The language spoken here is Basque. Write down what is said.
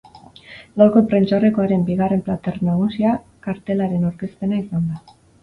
Gaurko prentsaurrekoaren bigarren plater nagusia kartelaren aurkezpena izan da.